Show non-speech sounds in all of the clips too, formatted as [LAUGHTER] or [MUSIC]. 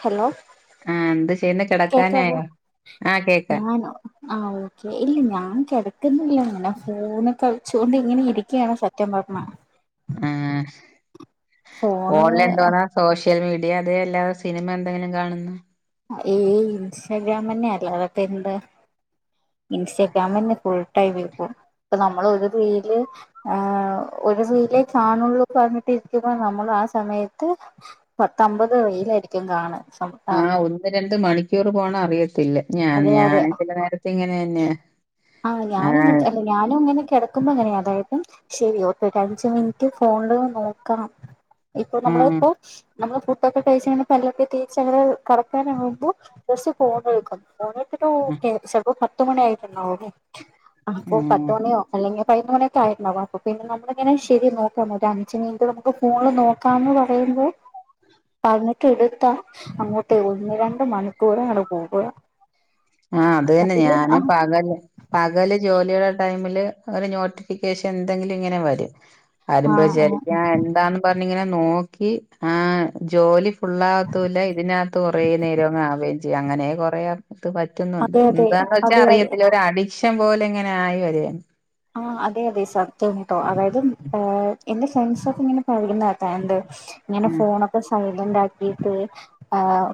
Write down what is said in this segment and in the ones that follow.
Hello ആഹ് എന്ത് ചെയ്യുന്നു കേക്കവോ കിടക്കാനായോ ആഹ് കേക്കാം ഞാനോ ആ ഓക്കെ ഇല്ല ഞാൻ കിടക്കുന്നില്ല ഇങ്ങനെ ഫോനൊക്കെ ൾച്ചൊണ്ട് ഇങ്ങനെ ഇരിക്കുകാണ് സ- ത്യം പറഞ്ഞ ആ ഫോണ് ഫോണിലെന്തോന്നാ സോഷ്യൽ മീഡിയ അതേ അല്ലാതെ സിനിമ എന്തെങ്കിലും കാണുന്ന ഈ ഇൻസ്റ്റഗ്രാം തന്നെയ അല്ലാതാപ്പെന്താ ഇൻസ്റ്റാഗ്രാമന്നെ ഫുള്ള് ടൈം ഇപ്പൊ നമ്മള് ഒരു റീൽ ആ ഒരു റീലേ കാണുള്ള പറഞ്ഞി ട്ടിരിക്കുമ്പോ നമ്മൾ ആ സമയത്ത് പത്തമ്പത് റീലായിരിക്കും കാണ ആഹ് ഒന്ന് രണ്ട് മണിക്കൂർ പോണ തറിയത്തില്ല ഞാൻ അതെ അതെ ഞാന് ചില നേരത്തെ ഇങ്ങനെ തന്നെ ആഹ് ഞാനും ആഹ് അല്ല ഞാനും ങ്ങനെ കിടക്കുമ്പോ ങ്ങനെ അതായത് ശരി ഓക്കെ [UNINTELLIGIBLE] ഫോണില് നോക്കാം ഇപ്പൊ പ്പൊ നമ്മള ഉം പ്പോ നമ്മള് ഫുഡോക്കെ കയിച്ചു പല്ല്ഒക്കെ തേച്ച്ങ്ങനെ കടക്കാനാവുമ്പോ ഫസ്റ്റ് ഫോൺ എടൂ ക്കും ഫോണെടുത്തിട്ട് ഉം ഓക്കേചെലപ്പോ പത്ത് മണിയായിട്ടുണ്ടാവൂലെ അപ്പോ ഉം പത്ത് മണിയോ അല്ലെങ്കി പയി നൊന്ന് മണിയൊക്കെ ആയിരുന്നു അപ്പൊ പിന്ന നമ്മളിങ്ങനെ ശെ രി നോക്കാം ഒരു അഞ്ച് മിനിറ്റ് നമുക്ക് ഫോണ് നോ- കാന്ന് പറയുമ്പോൾ പറഞ്ഞിട്ട് എടുത്താ അങ്ങോട്ട് ഒന്ന് രണ്ട് മണിക്കൂർ അങ്ങട്ട് പോവ ആഹ് അത് തന്നെ ഞാനും പാകല്ല പകല് ജോലിയുടെ ടൈമില് ഒരു നോട്ടിഫിക്കേഷൻ ന്തെങ്കിലും ങ്ങനെ വരും ആ അരുമ്പോ ആ വിവിചാരിക്കുംആ അത് എന്താന്ന് പറഞ്ഞിങ്ങനെ നോക്കി ആ ജോലി ഫുള്ളാവാതും ഇല്ല്യ ഇതിനകത്ത് കൊറേ നേരം ആവുകയും ചെയ്യാം അങ്ങനെ കൊറേ അ- [UNINTELLIGIBLE] പറ്റു ന്നുണ്ട് അതെ അതെ എന്താന്ന് വച്ചാൽ അതെ അതെ അറിയത്തില്ല ഒരു അഡിക്ഷൻ പോലെ ങ്ങനെ ആയി വര- ആ അതെ അതെ സത്യാണ് ട്ടോ അതായത് ഏ എന്റെ ഫ്രണ്ട്സ് ഒക്കെ ങ്ങനെ പറയുന്ന കേട്ടണ്ട് ങ്ങനെ ഉം ഫോണൊ- സൈലന്റ് ആക്കിയിട്ട്എ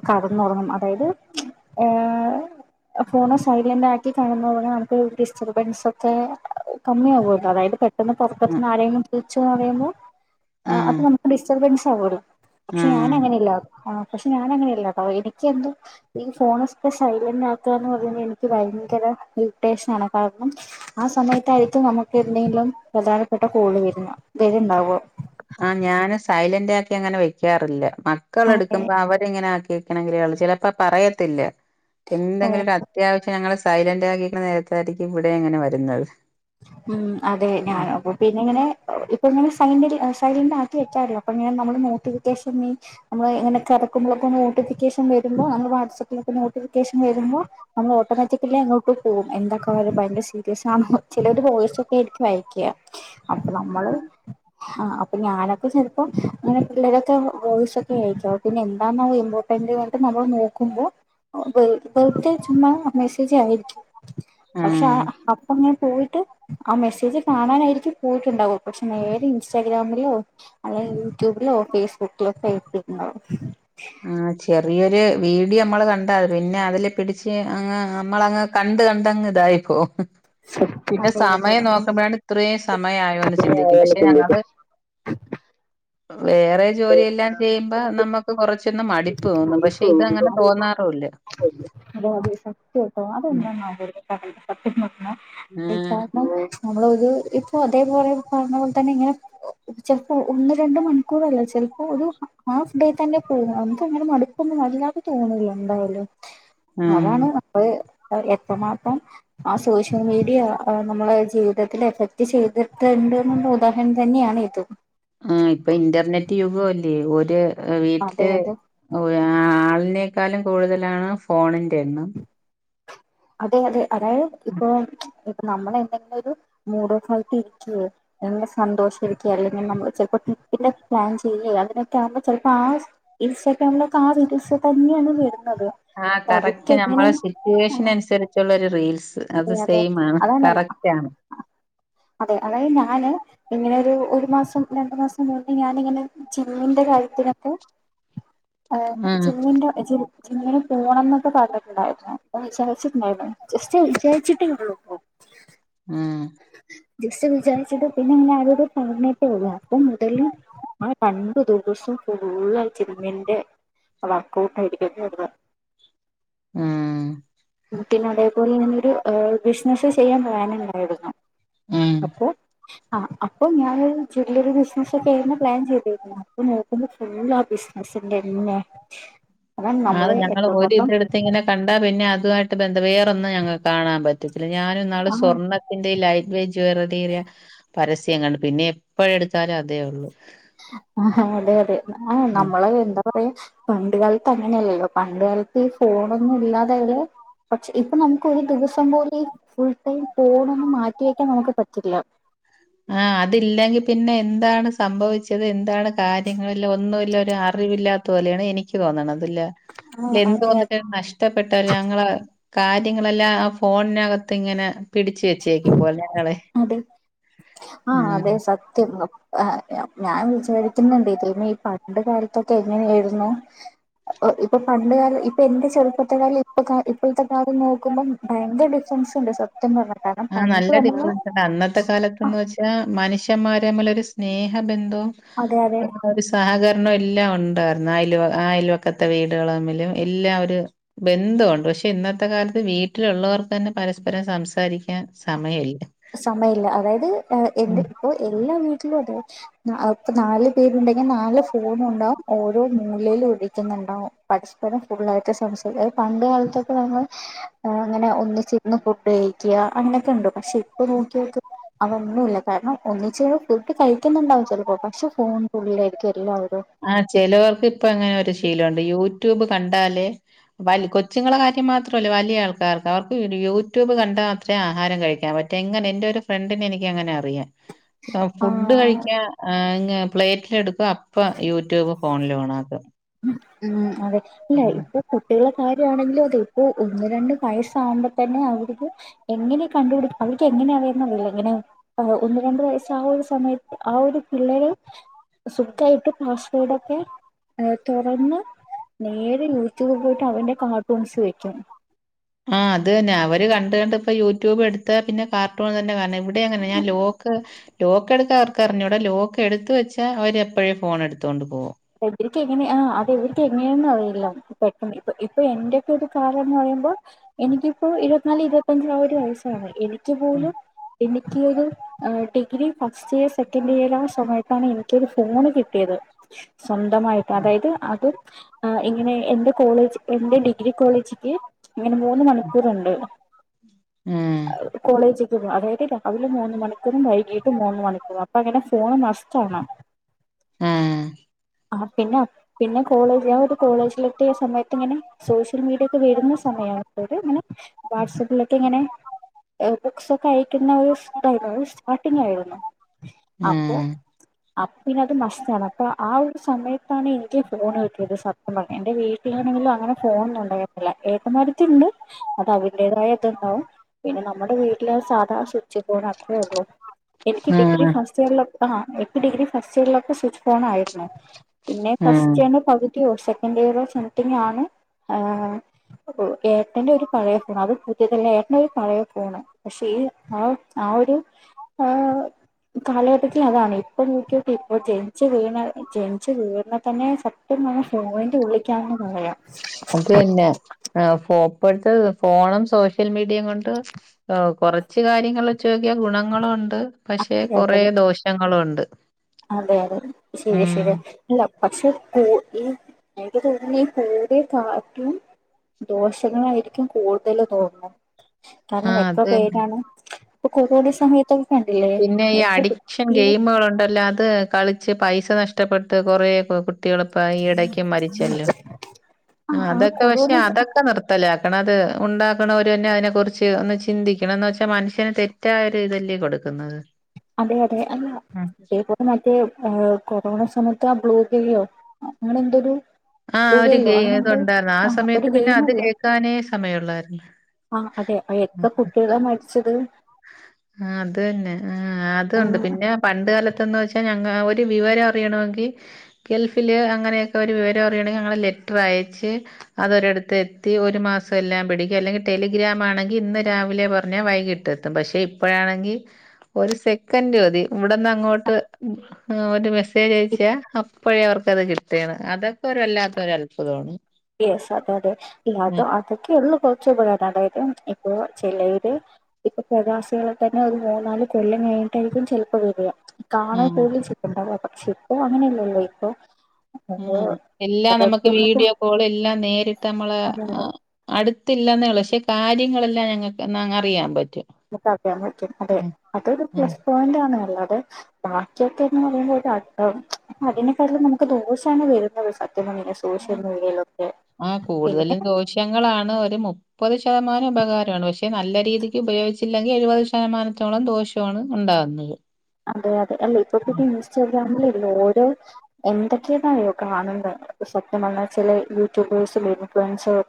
കടന്നുറങ്ങണം അതായത് [INAUDIBLE] ഏ- ആ ഫോണ സൈലന്റ് ആക്കി കടനോറങ്ങി നമുക്ക് ഡിസ്റ്റർബൻസ് ഒക്കെ- കമ്മിയകല്ലോ അതായത് പെട്ടന്ന് ഉം പുറത്തുനിന്ന് ആരെേങ്കിലും വിളിച്ചോ പറയുമ്പോ ആ അത് ഉം നമുക്ക് ഡിസ്റ്റർബൻസ് ആവൊല്ലോ പക്ഷെ ഉം ഞാനങ്ങൻ ഇല്ല പക്ഷെ ഞാനങ്ങനെയല്ല ട്ടോ എനിക്കെന്തോ ഈ ഫോണൊക്കെ സൈലന്റ് ആക്കുകന്ന് അത്പറഞ്ഞ എനിക്ക് ഭയങ്കര ഇറിട്ടേഷനാ ണ് കാരണം ആ സമയത്തായിരിക്കും നമുക്ക് എന്തെങ്കിലും പ്രധാനപ്പെട്ട കോള് വര വരുണ്ടാവ ആ ഞാന് സൈലന്റ് ആക്കി ങ്ങനെ വെക്കാറില്ല മക്കള എടുക്കുമ്പോ അവരിങ്ങനെ ആക്കി- [UNINTELLIGIBLE] ക്കനെങ്കി ചിലപ്പോ പറയത്തില്ല എന്തെങ്കിലും ആണ് അത്യാവശ്യം ഞ- സൈലന്റ് ആകിയിട്ടുന്ന നേരത്തായിയിരിക്കും ഇവടെയ് ങ്ങനെ വരുന്നത് ഉം അതെ ഞാന പിന്നെ ങ്ങനെ [UNINTELLIGIBLE] പ്പോൾ ഇങ്ങനെ സൈലൻറ് ആക്കി വെക്കാറില്ല അപ്പോൾ ഇങ്ങനെനമ്മളെനോട്ടിഫിക്കേഷന്ന് നമ്മള് ങ്ങനെ കടക്കുമ്പോ മ്പോളൊക്കെ നോട്ടിഫിക്കേഷൻ വരുമ്പോ നമ്മള് വാട്സആപ്പിലൊക്കെ നോട്ടിഫിക്കേഷൻ വരുമ്പോ- നമ്മൾ ഓട്ടോമാറ്റിക്കലി അങ്ങോട്ട് പോകും എന്തൊക്കെയ ഭയങ്കര സീരിയസ് ആഹ്ഹേ ചിലര് വോയിസൊക്കെര്കും അയക്ക അപ്പൊ നമ്മള് ആഹ് അപ്പൊ ഞാനൊക്കെ ചെൽപ്പങ്ങനെ പിള്ളേരൊക്കെ വോയിസൊക്കെ അയക്കും പിന്നെ എന്താന്ന പറയുമ്പോ ഇങ്ങോട്ട് നമ്മൾ നോക്കുമ്പോ വർത്തെ ചുമ്മാമെസ്സേജ് ആയി പക്ഷെ ആഹ് ആ പ്പങ്ങനെ പോയിട്ട് ആ മെസ്സേജ് കാണാനായിരിക്കും പോയിട്ടുണ്ടാവ പക്ഷെ നേരെ ഇൻസ്റ്റാഗ്രാമിലോ അത യൂട്യൂബിലോ ഫേസ്ബുക്കിലോക്കെ ആയിട്ടുണ്ടവും ആ ചെറിയൊരു വീഡിയോ നമ്മള് കണ്ട പിന്നെ അതില് പിടിച്ച് അങ് നമ്മളങ്ങ്- കണ്ട് കണ്ടങ്ങ് തായിപ്പോവുംഹിഹി പിന്നെ അതെ അതെ സമയം നോക്കുമ്പോഴാണ് ഇത്രയും സമയായോന്ന് ചിന്തിക്കും പക്ഷെ അതെ ഞങ്ങള് വേറെ ജോലിയെല്ലാം ചെയ്യുമ്പ നമ്മക്ക് കുറച്ച് ട്ടെന്ന് മടിപ്പ് തോന്നും പക്ഷെ ഇതങ്ങനെ തോന്നാറുല്ല [UNINTELLIGIBLE] സത്യായിട്ടും ഉം അതെന്താണാവലെ ആഹ് [UNINTELLIGIBLE] നമ്മളൊരു ഇപ്പൊ അതേപോലെ പറഞ്ഞ പോലെ തന്നെ ഇങ്ങനെ [UNINTELLIGIBLE] ചെലപ്പോ ഒന്ന് രണ്ട മണിക്കൂറല്ല ചെലപ്പോ ഒരു ഹാഫ് ഡേ തന്നെ പോകഉമ്നേ ക്ക്ങ്ങനെ മടുപ്പൊന്നും വല്ലാതെ തോന്നൂല എന്തായാലും ആഹ് അതാണ് പ്പയ് എത്രമാത്രം ആസോഷ്യൽ മീഡിയ നമ്മളെ ജീവിതത്തിൽ എഫക്ട് ചെയ്തിട്ട്ണ്ട്ന്ന് തോ- ദഹൻ തന്നെയാണ് ഇതും ആ ഇപ്പൊ ഇന്റർനെറ്റ് യുഗല്ലേ ഒരു അതെ വീട്ടില് അതെ ഒരാളിനെക്കാളും കൂടുതലാണ് ഫോണിന്റെ എണ്ണം അതെ അതെ അതായത് ഇപ്പൊ ഇപ്പ നമ്മളെന്തെങ്കിലും ഒരു മൂഡ് ഓഫായിട്ട് ഇരിക്കോ അല്ലെങ്കി സന്തോഷമായിരിക്കെ അല്ലങ്കിൽ നമ്മ ചിലപ്പോ ട്രിപ്പിന്റെ പ്ലാൻ ചെയ്യേ അയി നൊക്കെ ആവുമ്പോ ചിലപ്പോ ആ ഇൻസ്റ്റാഗ്രാമിലൊക്കെ ആ റീൽസ് തന്നെയാണ് വരുന്നത്. ആഹ് അവർക്ക് കറക്റ്റ് എങ്ങനെ നമ്മളെ ശരി - ആ സിറ്റുവേഷനനുസരിച്ചുള്ളൊരു റീൽസ് അത് അതെ അതെ സെയിംആണ്. അതാണ് കറക്റ്റ് ആണ്. അതെ അതായത് ഞാന്. ഇങ്ങനെ ഒരു ഒരു മാസം രണ്ടു മാസം മുന്നെ ഞാനിങ്ങനെ ജിമ്മിന്റെ കാര്യത്തിനൊക്കെ. [INAUDIBLE] അതെ ജിമ്മിന്റെ ജിമ്മി- ജിമ്മിന് പോണംന്നൊക്കെ പറഞ്ഞിട്ടുണ്ടായിരുന്നു. അ വിചാരിച്ചിട്ടുണ്ടായിരുന്നു. ജസ്റ്റ് വിചാരിച്ചിട്ടേ ഉളളൂ. ട്ടോ ആഹ് ജസ്റ്റ് വിചാരിച്ചിട്ട് പിന്നെ ഇങ്ങനെ ആരോടോ പറഞ്ഞിട്ടേ ഉള്ളൂ അപ്പൊ മുതല്. ആ രണ്ടു ദിവസം ഫുള്ള് ജിമ്മിന്റെ. വർക്ക്ഔട്ട് ആയിരിക്ക വന്ന ആഹ് പിന്നെ അതെ പോലെ ഞാനൊരു ബിസിനസ്സ് ചെയ്യാൻ പ്ലാനുണ്ടായിരുന്നു. ഉം അപ്പൊ ആഹ് അപ്പം ഞാനൊരു ജ്വല്ലറി ബിസിനസ്സ് ഒക്കെ ആയിരുന്നു പ്ലാൻ ചെയ്തേക്കുന്നെ അപ്പൊ നോ - ക്കുമ്പോ ഫുള്ള് ആ ബിസിനസിന്റെന്നെ. അതാണ് അത് നമ്മള് ഞങ്ങള് ഒര് എത്രമാത്രം ഇതെടുത്ത് ഇങ്ങനെ കണ്ടാ പിന്നെ അതുമായിട്ട് ബന്ധം വേറൊന്നും ഞങ്ങക്ക് കാണാൻ പറ്റത്തില്ല ഞാന്ന്നാള് ആഹ് സ്വർണ്ണ ത്തിന്റെ ലൈറ്റ് വേറ്റ് ജ്വല്ലറി ഏരിയ പരസ്യം കണ്ടു പിന്നെ എപ്പോഴ ടുത്താലും അതേ ഉള്ളു. ആഹാ അതെ അതെ ആഹ് നമ്മള് എന്താ പറ- യാ പണ്ട് കാലത്ത് അങ്ങനെയല്ലല്ലോ പണ്ട് കാലത്ത് ഈ ഫോണൊന്നും ഇല്ലാതായത്. പക്ഷെ ഇപ്പൊ നമുക്ക് ഒരു ദിവസം പോലെ ഫുൾ ടൈം ഫോണൊന്നും മാറ്റിവെക്കാൻ നമുക്ക് പറ്റില്ല. ആഹ് അതില്ലെങ്കി പിന്നെ എന്താണ് സംഭവിച്ചത് എന്താണ് കാര്യങ്ങളല്ല ഒന്നുല്ല ഒരു അറിവില്ലാ- ത്ത പോലെയാണ് എനിക്ക് തോന്ന്ണത് ല്ലോ ആഹ് എന്ത് അതെ തോന്നി നഷ്- ഷ്ടപ്പെട്ട ഞങ്ങള് കാര്യങ്ങളെല്ലാം ആ ഫോണിനകത്ത് ഇങ്ങനെ പിടിച്ച് വെച്ചേക്കുമ്പോലെ ആണ്. അതെ ആഹ് അതെ സത്യം നു. ആഹ് ഞാൻ വിചാരിക്കുന്നുണ്ട് ഇതി ഈ പണ്ട് കാലത്തൊക്കെ എങ്ങനെയായിരുന്നു. ഇപ്പൊ പണ്ട് കാലം ഇപ്പൊ എന്റെ ചെറുപ്പത്തെ കാലം ഇപ്പൊ ഇപ്പോഴത്തെ കാലം നോക്കുമ്പം. ഭയങ്കര ഡിഫറൻസ്ണ്ട് സത്യം പറഞ്ഞ കാരണം ആഹ് പണ്ട് നല്ല നമ്മള് ഡിഫറൻസ്ണ്ട് അന്നത്തെ ആ കാലത്ത്ന്ന് വെച്ചാ മനുഷ്യന്മാരെതമ്മിലൊരു സ്നേഹബന്ധവും. അതെ അതെ. ആ ഒരു സഹകരണം എല്ലാം ഉണ്ടായിരുന്നു അയൽ അയൽവക്കത്തെ വീടുകള് തമ്മിലും എല്ലാം ഒരു ബന്ധവുണ്ട് പക്ഷെ ഇന്നത്തെ കാലത്ത് വീട്ടിലുള്ളവർ തന്നെ പരസ്പരം സംസാരി ക്കാൻ സമയമില്ല സമയമില്ല അതായത് എന്ത് ഉം. ഇപ്പോ എല്ലാ വീട്ടിലും അതെ ഇപ്പൊ നാല് പേരുണ്ടെങ്കിൽ നാല് ഫോണും ഉണ്ടാവും ഓരോ മൂലയിൽ ഇരിക്കുന്നുണ്ടാവും പരസ്പരം ഫുള്ളായിട്ട് സംസാരി അത് പണ്ട് കാലത്തൊക്കെ നമ്മൾ ഓ അങ്ങനെ ഒന്നിച്ചിരുന്ന് ഫുഡ് കഴിക്കുക അങ്ങനെയൊക്കെയുണ്ട് പക്ഷെ ഇ ഇപ്പ നോക്കിയോക്ക് അവ ഒന്നുല്ല കാരണം ഒന്നിച്ച് ഫുഡ് കഴിക്കുന്നുണ്ടാവും ചിലപ്പോൾ പക്ഷെ ഫോൺ. ഉള്ളിലേക്കെല്ലാവരും ആഹ് ചിലോർക്ക് ഇപ്പ അങ്ങനെ ഒരു ശീലമുണ്ട് യൂട്യൂബ് കണ്ടാലേ വൽ കൊച്ചുങ്ങളെ കാര്യം മാത്രമല്ല വലിയ ആൾക്കാർക്ക് അവർക്ക് യൂട്യൂബ് കണ്ടാ മാത്രമേ ആഹാരം കഴിക്കാൻ പ എങ്ങനെ എന്റെരു ഫ്രണ്ടിനെ എനിക്കങ്ങനെ അറിയാം ഫുഡ് ആ കഴിക്കാൻ പ്ലേറ്റിലെടുക്ക അ പ്പോ യൂട്യൂബ് ഫോണിലാണിലോൺ ആകും ഉം അതെ അല്ല ഇപ്പോ കുട്ടികളെ കാര്യമാണെങ്കിലും അതെ ഇപ്പോ ഒന്ന് രണ്ട് വയസ്സാകുമ്പോ തന്നെ അവർക്ക് എങ്ങനെ കണ്ടുപിടും അവര്ക്ക് എങ്ങനെയറിയാന്ന് അറിയില്ല എങ്ങനെ ആഹ് ഒന്ന് രണ്ട് വയസ്സ് ആ ഒരു സമയത്ത് ആ ഒരു പിള്ളേര് സുഖായിട്ട് പാസ് വേഡൊക്കെ ഏ തുറന്ന് നേരെ യൂട്യൂബിൽ പോയിട്ട് അവന്റെ കാർട്ടൂൺസ് വെക്കും ആഹ് അത് തന്നെ അവര് കണ്ട് കണ്ടിപ്പ യൂട്യൂബ് എടുത്ത പിന്നെ കാർട്ടൂൺ തന്നെ കാണ് ണേ ഇ ടെ അങ്ങനെ ഞാൻ ലോക്ക് ലോക്ക് എടുക്കാൻ അവർക്കറിഞ്ഞൂടാ ലോക്ക് എടുത്തു വെച്ചാ അവരെപ്പോഴും ഫോൺ എടുത്തു കൊണ്ട് പോകും ഇവര്ക്ക് എങ്ങനെ ആഹ് അത് ഇവർക്ക് എങ്ങനെയെന്നും അറിയില്ല പെട്ടന്ന് ഇപ്പ ഇപ്പൊ എന്റെയൊക്കെ ഒരു കാലമെന്ന് പറയുമ്പോൾ എനിക്കിപ്പോ ഇരുപത്തിനാല് ഇരുപത്തിയഞ്ച് ആ ഒരു വയസ്സാണ് എനിക്ക് പോലും എനിക്കൊരു ആ degree first year second year ആ സമയത്താണ് എനിക്കൊരു ഫോണ് കിട്ടിയത് സ്വന്തമായിട്ട് ഉം അതായത് അത് ആഹ് ഇങ്ങനെ എന്റെ കോളേജ് എന്റെ ഡിഗ്രി കോളേജിക്ക് ഇങ്ങനെ മൂന്ന് മണിക്കൂറുണ്ട് ഉം അപ് കോളേജിക്ക് പോകും അതായത് രാവിലെ മൂന്ന് മണിക്കൂറും വൈകീട്ട് മൂന്ന് മണിക്കൂറും അപ്പൊ അങ്ങനെ ഫോണ് മസ്റ്റാണ് ആഹ് ആഹ് പിന്നെ പിന്നെ കോളേജ് ഞാൻ കോളേജിലെത്തിയ സമയത്തിങ്ങനെ സോഷ്യൽ മീഡിയൊക്കെ വരുന്ന സമയാണപ്പോത് ഇങ്ങനെ വാട്സപ്പിലൊക്കെ ഇങ്ങനെ ബുക്സൊക്കെ അയക്കുന്ന ഒരുതായിരുന്നു സ്റ്റാർട്ടിങ്ങായിരുന്നു ഉം അപ്പൊ അപ്പപ്പിന്നത് മസ്റ്റാണ് അപ്പ ആ ഒരു സമയത്താണ് എനിക്ക് ഫോണ് കിട്ടിയത് സത്യം പറഞ്ഞാ എന്റെ വീട്ടിലാണെങ്കിലും അങ്ങനെ ഫോൺന്നുണ്ടായി ല്ല ഏട്ടമാരത്തിയുണ്ട് അത് അതിന്റെതായ ഇതുണ്ടാവും പിന്നെ നമ്മുടെ വീട്ടിലെ സാധാ സ്വിച്ച് ഫോൺ അത്രേ ഉള്ളു എനിക്ക് ഡിഗ്രി ഉം ഫസ്റ്റ് ഇയറിലൊക്കെ ആഹ് എനിക്ക് ഡിഗ്രി ഫസ്റ്റ് ഇയറിലൊക്കെ സ്വിച്ച് ഫോണായിരുന്നു പിന്നെ ഉം ഉം ഫസ്റ്റ് ഇയറിന്റെ പകുതിയോ സെക്കൻഡ് ഇയറോ സംതിങ്ങാണ് ആഹ് അപ്പോ ഏട്ടന്റെ ഒരു പഴയ ഫോൺ അത് പുതിയതല്ല ഏട്ടന്റെ ഒരു പഴയ ഫോണ് പക്ഷെ ഈ ആഹ് ആ ഒരു ആഹ് കാലഘട്ടത്തിൽ അതാണ് ഇപ്പൊ നോക്കിട്ടി ഇപ്പൊ ജനിച്ചു വീണ ജനിച്ചു വീഴുണ തന്നെ സത്യം പറഞ്ഞാ ഫോണിന്റുള്ളിക്കാന്ന് പറയാം അത് തന്നെ ആ ഫോപ്പട്ട് ഫോണും സോഷ്യൽ മീഡിയയും കൊണ്ട് ഓ കൊറച്ച് കാര്യങ്ങൾ വച്ച് നോക്കിയാ ഗുണങ്ങളുമുണ്ട് പക്ഷെ കൊറെ അതെ ദോഷങ്ങളുമുണ്ട് അതെ അതെ ശരിയാ ശരിയാ അല്ല പക്ഷെ കു ഈ എനിക്ക് തോന്നുന്നേ ഈ കൂടെ കാർട്ടൂൺ ദോഷങ്ങളായിരിക്കും കൂടുതല് തോന്നും. കാര്ണം ആഹ് അത് എത്ര തന്നെ. പേരാണ് ഇപ്പൊ കുടോടി സമയത്തൊക്കെ കണ്ടില്ലേ. പിന്നെ ഈ എത്ര അഡിക്ഷൻ ഗെയിമുകളുണ്ടല്ലോ അത് കളിച്ച് പൈസ നഷ്ടപ്പെട്ട് കൊറേ കുട്ട്. ട്ടികള് ഇപ്പ ഈടക്ക് മരിച്ചല്ലോ ആ അതൊക്കെ പക്ഷെ അതൊക്കെ നിർത് ത്തലാക്കണം അത് ഉണ്ടാക്ക്ണോരന്നെ അതിനെക്കുറിച്ച് ഒന്ന് ചിന്തിക്കണം എന്ന് വെച്ചാ മനുഷ്യന് തെറ്റായ ഒരു ഇതല്ലേ കൊടുക്. ക്ക്ന്നത്ത് അതെ അതെ അല്ല അതെപോൽ. മറ്റേ ഹ് കൊറോണ സമയത്ത് ആ ബ്ലൂ ഗ്ലെയോ അങ്ങനെ എന്തൊരു. ബ്ലൂ ആഹ് ഒരു ഗെയിലോ ഗേ അങ്ങനെ എന്തോ ഇതുണ്ടായിരുന്നു ആ ഒരു സമയത്ത് പിന്നെ അത് കേൾക്കാനേ സമയുള്ളായിരുന്നു ആഹ് അതെ അ എത്ര കുട്ടികളാ മരിച്ചത് ആഹ് അത് തന്നെ ആഹ് അതൊണ്ട് ആ പിന്നെ പണ്ട് കാലത് ത്ത്ന്ന് വെച്ചാ ഞങ്ങ ആ ഒരു വിവരം അറിയണങ്കി. ഗൾഫില് അങ്ങനെയൊക്കെ ഒരു വിവരം അറിയൊണെങ്കി ഞങ്ങൾ ലെറ്റർ അയച്ച്. അതൊരിടുത്ത് എത്തി ഒരു മാസം എല്ലാം പിടിക്കും അല്ലെങ്കി ടെലിഗ്രാം ആണെങ്കിൽ ഇന്ന് രാവിലെ പറഞ്ഞാൽ വൈകിട്ട് ത്തും പക്ഷെ ഇപ്പോഴാണെങ്കി ഒരു സെക്കന്റ് മതി ഇവിടന്ന് അങ്ങോട്ട്. ആ ഒരു മെസ്സേജ് അയച്ചാ അപ്പോഴേ അവർക്കത് കിട്ടാണ് അതൊക്കെ ഒരു വല്ലാത്തൊര് അത്ഭുതമാണ്. യെസ് അതാണ് ആ അത് അതൊക്കെ ഉള്ളു കൊറച്ചു പക്കാരം അതായത് ഇപ്പൊ ചെലേവര് ഇപ്പൊ പ്രവാസികളെ തന്നെ ഒരു മൂന്നാല് കൊല്ലം കഴിഞ്ഞട്ടായിരിക്കും ചെൽപ്പോ വരാ. കാണൻ ആ കൂടുതൽ ചിപ്പുണ്ടാവ പക്ഷെ ഇപ്പോ അങ്ങനെയല്ലല്ലോ ഇപ്പൊ. നമ്മള് ഉം എല്ലാം നമുക്ക് വീഡിയോ കോൾ എല്ലാം നേരിട്ട് നമ്മളെ അതെ അതെ ആഹ് അടുത്തില്ലന്നെ ഉള്ളു പക്ഷെ കാര്യങ്ങളെല്ലാം ഞങ്ങക്ക് ഞ അറിയാൻ പറ്റും. നമുക്ക അറിയാൻ പറ്റും അതെ ഉം അതൊരു പ്ലസ് ഉം പോയിന്റ് ആണ് അല്ലാതെ. ബാക്കിയൊക്കെന്ന് പറയുമ്പോൾ [UNINTELLIGIBLE] അതിനെക്കാട്ടും നമുക്ക് ദോശാണ് വരുന്നത് സത്യം പറഞ്ഞ് കഴിഞ്ഞാൽ ആഹ് കൂടുതലും ദോഷങ്ങളാണ് ഒരു മുപ് പ്പത് ശതമാനം ഉപകാരമാണ് പക്ഷെ നല്ല രീതിക്ക് ഉപയോഗിച്ചില്ലെങ്കി എഴുപത് ശതമാനത്തോളം ദോഷ മാണ് ഉണ്ടാവുന്നത്. അതെ അതെ അല്ലേ ഇപ്പൊ പിന്നെ ഇൻസ്റ്റഗ്രാമിലല്ലെ ഓരോ എന്തൊക്കെയതറിയോ കാണുന്നത് സത്യം പറഞ്ഞാൽ ചില യൂട്യൂബേഴ്സും ഇൻഫ്ലുവൻസും ഒക്കെ.